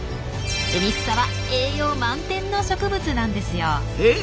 海草は栄養満点の植物なんですよ。へえ。